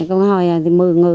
còn hồi thì một mươi người